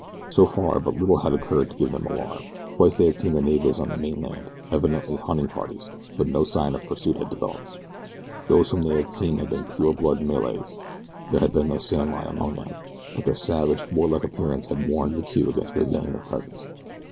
So far but little had occurred to give them alarm. Twice they had seen natives on the mainland evidently hunting parties; but no sign of pursuit had developed. Those whom they had seen had been pure blood Malays there had been no samurai among them; but their savage, warlike appearance had warned the two against revealing their presence.